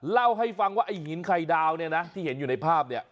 เล่าให้ฟังว่าหินไข่ดาวที่เห็นอยู่ในภาพ